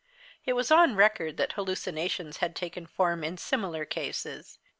It was on record that hallucinations had taken form, in similar cases.